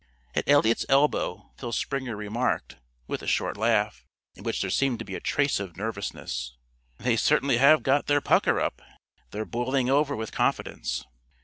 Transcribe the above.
At Eliot's elbow Phil Springer remarked, with a short laugh, in which there seemed to be a trace of nervousness: "They certainly have got their pucker up. They're boiling over with confidence."